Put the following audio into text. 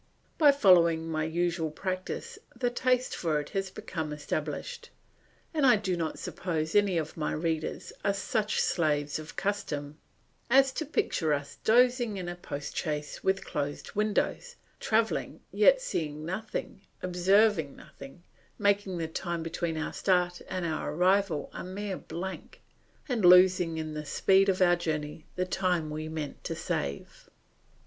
By following my usual practice the taste for it has become established; and I do not suppose any of my readers are such slaves of custom as to picture us dozing in a post chaise with closed windows, travelling, yet seeing nothing, observing nothing, making the time between our start and our arrival a mere blank, and losing in the speed of our journey, the time we meant to save.